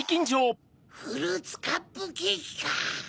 ・フルーツカップケーキか・